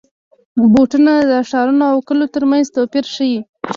بوټونه د ښارونو او کلیو ترمنځ توپیر ښيي.